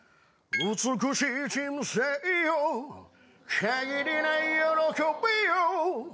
美しい人生よかぎりない喜びよ